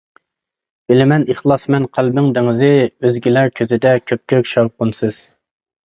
بىلىمەن ئىخلاسمەن قەلبىڭ دېڭىزى، ئۆزگىلەر كۆزىدە كۆپكۆك شاۋقۇنسىز.